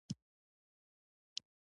رضایت مهم دی